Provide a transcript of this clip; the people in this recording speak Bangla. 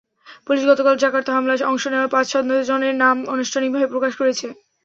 পুলিশ গতকাল জাকার্তা হামলায় অংশ নেওয়া পাঁচ সন্দেহভাজনের নাম আনুষ্ঠানিকভাবে প্রকাশ করেছে।